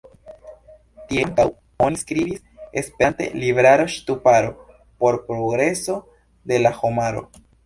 Tie ankaŭ oni skribis esperante "Libraro-Ŝtuparo por Progreso de la Homaro".